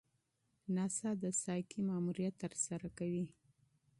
ناسا د سایکي ماموریت ترسره کوي.